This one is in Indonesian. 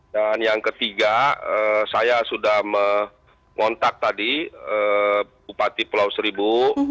dan yang ketiga saya sudah mengontak tadi bupati pulau seribu